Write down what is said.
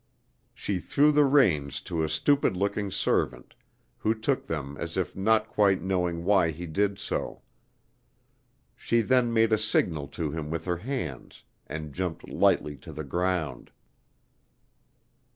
She threw the reins to a stupid looking servant, who took them as if not quite knowing why he did so. She then made a signal to him with her hands, and jumped lightly to the ground.